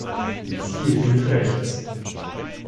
Siehe Bild rechts.